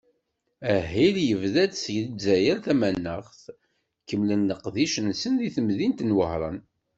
Ahil, yebda-d seg Lezzayer tamaneɣt, kemmlen leqdic-nsen deg temdint n Wehran.